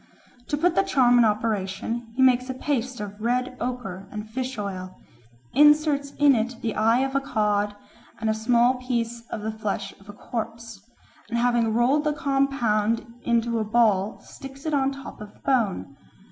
To put the charm in operation he makes a paste of red ochre and fish oil, inserts in it the eye of a cod and a small piece of the flesh of a corpse, and having rolled the compound into a ball sticks it on the top of the bone.